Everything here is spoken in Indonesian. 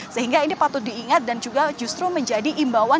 sehingga ini patut diingat dan juga justru menjadi imbauan